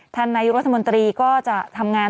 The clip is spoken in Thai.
นายุรัฐมนตรีก็จะทำงาน